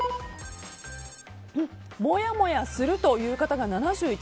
もやもやするという方が７１％。